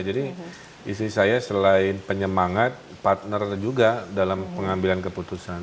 jadi istri saya selain penyemangat partner juga dalam pengambilan keputusan